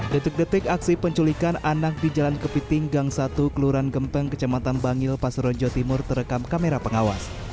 detik detik aksi penculikan anak di jalan kepiting gang satu kelurahan gempeng kecamatan bangil pasaronjo timur terekam kamera pengawas